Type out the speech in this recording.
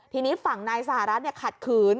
ทีนี้ฝั่งนายสหรัฐขัดขืน